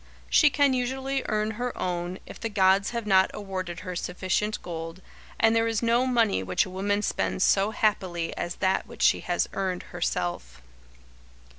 She can usually earn her own, if the gods have not awarded her sufficient gold, and there is no money which a woman spends so happily as that which she has earned herself.